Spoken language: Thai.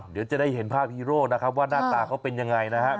เดี๋ยวจะได้เห็นภาพฮีโร่นะครับว่าหน้าตาเขาเป็นยังไงนะครับ